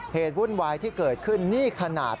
วุ่นวายที่เกิดขึ้นนี่ขนาด